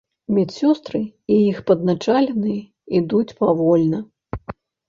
Медсёстры і іх падначаленыя ідуць павольна.